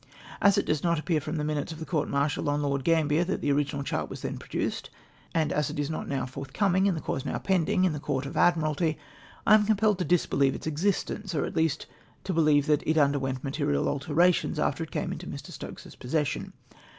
As it does not appear from the 3Iinutes of the court martial on Lord Gambler that the original chart was then produced, and as it is not now forthcoming in the cause now pending in the Court of Admiralty, I am comj^elled to disbelieve its existence, or at least to believe that it underwent material alterations after it came into Mr. Stokes's possession.